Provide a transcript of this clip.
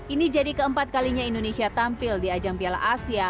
ini jadi keempat kalinya indonesia tampil di ajang piala asia